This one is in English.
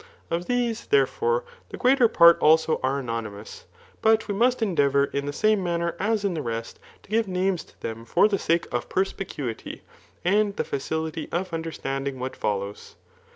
Of these, therefore, the grearer part also axe anonymous; but we must endeavour, in the same manner as in the rest, to give names to them, for the sake of perspicuity^ and the facility of understanding what follows.